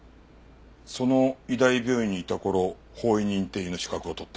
その医大病院にいた頃法医認定医の資格を取った。